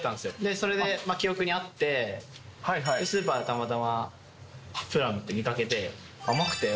それで記憶にあって、スーパーでたまたまプラムって見かけて。